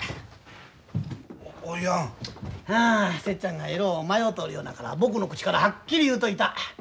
節ちゃんがえろう迷うとるようだから僕の口からはっきり言うといた。